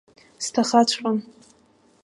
Сҭахаҵәҟьон.